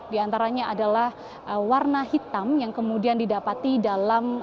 di antaranya adalah warna hitam yang kemudian didapati dalam